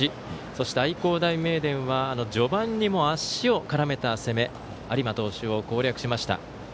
そして愛工大名電は序盤にも足を絡めた攻め有馬投手を攻略しました。